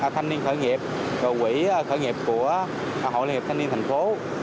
thanh niên khởi nghiệp quỹ khởi nghiệp của hội liên hiệp thanh niên thành phố